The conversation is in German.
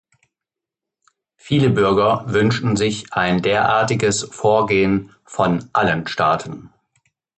Viele Bürger wünschten sich ein derartiges Vorgehen von allen Staaten.